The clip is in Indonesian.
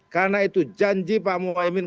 karena itu janji pak muhyiddin